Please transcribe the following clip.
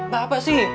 pak apa sih